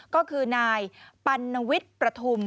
ก็คือนายปัณวิทย์ประทุม